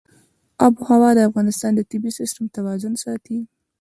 آب وهوا د افغانستان د طبعي سیسټم توازن ساتي.